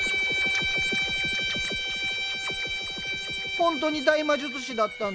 ほんとに大魔術師だったんだ。